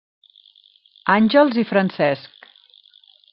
Àngels i Francesc.